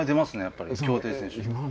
やっぱり競艇選手。